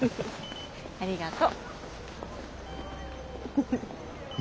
ありがと。